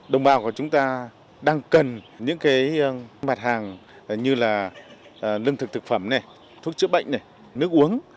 đồng bào của chúng ta đang cần những mặt hàng như là lương thực thực phẩm thuốc chữa bệnh nước uống